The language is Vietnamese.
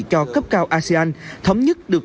cho cấp cao asean thấm nhất được